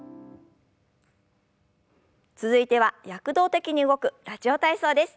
続いては躍動的に動く「ラジオ体操」です。